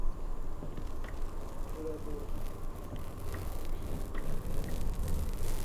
curador